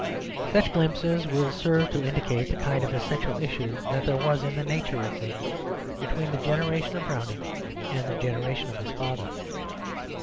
Such glimpses will serve to indicate the kind of essential issue that there was in the nature of things between the generation of Browning and the generation of his father.